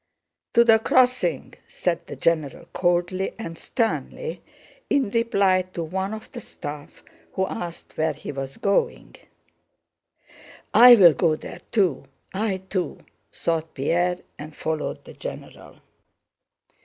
"To the crossing!" said the general coldly and sternly in reply to one of the staff who asked where he was going. "I'll go there too, I too!" thought Pierre, and followed the general.